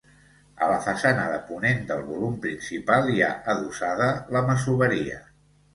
A la façana de ponent del volum principal hi ha adossada la masoveria.